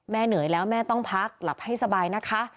เหนื่อยแล้วแม่ต้องพักหลับให้สบายนะคะ